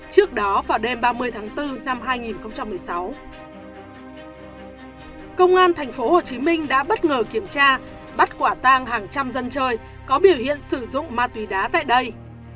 trước đó vào đêm ba mươi tháng bốn năm hai nghìn một mươi sáu công an thành phố hồ chí minh đã bất ngờ kiểm tra bắt quả tang hàng trăm dân chơi có biểu hiện sử dụng ma túy đá tại đây